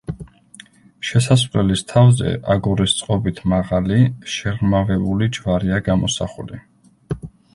შესასვლელის თავზე, აგურის წყობით მაღალი, შეღრმავებული ჯვარია გამოსახული.